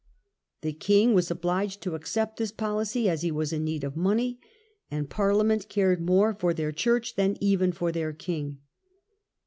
The king was obliged to accept this policy as he was in need of money, and Parliament cared more for their church than even for their king.